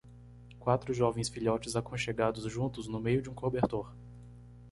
quatro jovens filhotes aconchegados juntos no meio de um cobertor.